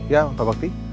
ya pak bakti